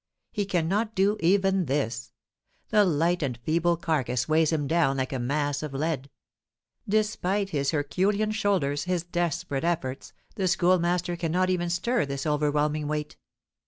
He cannot do even this. The light and feeble carcass weighs him down like a mass of lead. Despite his herculean shoulders, his desperate efforts, the Schoolmaster cannot even stir this overwhelming weight.